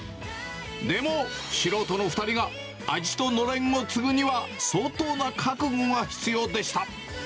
でも、素人の２人が味とのれんを継ぐには相当な覚悟が必要でした。